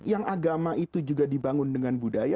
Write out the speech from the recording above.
yang agama itu juga dibangun dengan budaya